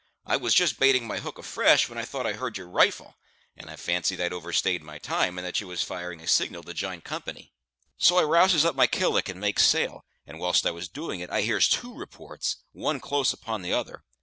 I was just baiting my hook afresh, when I thought I heard your rifle; and I fancied I'd overstayed my time, and that you was firing a signal to jine company. So I rouses up my killick, and makes sail; and whilst I was doing it, I hears two reports, one close upon t'other.